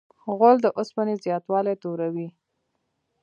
غول د اوسپنې زیاتوالی توروي.